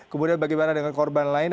kemudian bagaimana dengan korban lain